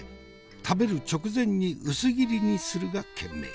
食べる直前に薄切りにするが賢明。